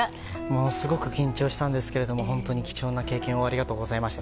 ものすごく緊張したんですけれども本当に貴重な経験をありがとうございました。